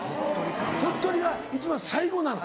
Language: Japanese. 鳥取が一番最後なの？